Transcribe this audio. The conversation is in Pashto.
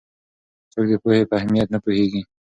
څوک د پوهې په اهمیت نه پوهېږي؟